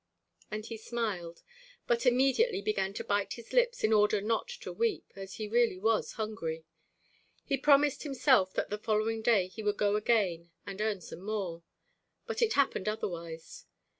And he smiled, but immediately began to bite his lips in order not to weep, as he really was hungry. He promised himself that the following day he would go again and earn some more; but it happened otherwise.